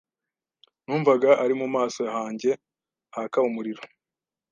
Numvaga ari mu maso hanjye haka umuriro.